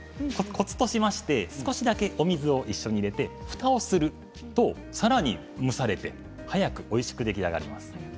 コツとしては少しだけお水を一緒に入れてふたをすると、さらに蒸されて早くおいしく出来上がります。